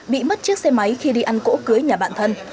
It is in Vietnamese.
bị mất chiếc xe máy khi đi ăn cỗ cưới nhà bạn thân